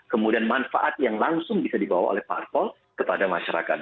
kemudian manfaat yang langsung bisa dibawa oleh parpol kepada masyarakat